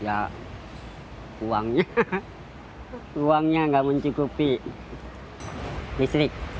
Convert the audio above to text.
ya uangnya uangnya nggak mencukupi listrik